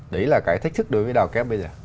đấy là cái thách thức đối với đào kép bây giờ